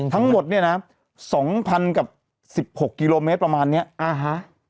ทั้งหมดเนี่ยนะสองพันกับสิบหกกิโลเมตรประมาณเนี้ยอ่าฮะ